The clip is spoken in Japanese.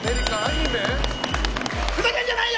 ふざけんじゃないよ！